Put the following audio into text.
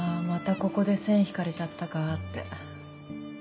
ここで線引かれちゃったかって。